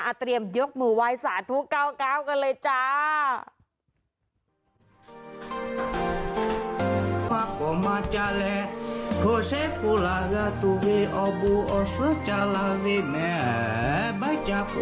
อ่าเตรียมยกมือวายสาธุเกาะเกาะกันเลยจ้า